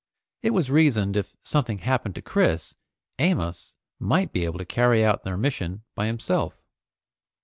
It was reasoned if something happened to Chris, Amos might be able to carry out their mission by himself.